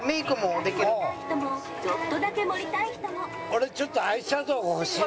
俺ちょっとアイシャドウが欲しいな。